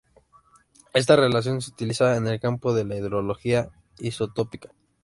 Esta relación se utiliza en el campo de la hidrología isotópica.